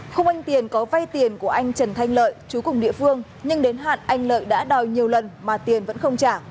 không anh tiền có vay tiền của anh trần thanh lợi chú cùng địa phương nhưng đến hạn anh lợi đã đòi nhiều lần mà tiền vẫn không trả